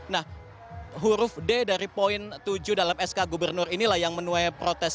nah huruf d dari poin tujuh dalam sk gubernur inilah yang menuai protes